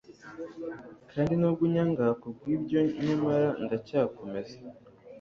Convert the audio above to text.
Kandi nubwo unyanga kubwibyo, nyamara Ndacyakomeza,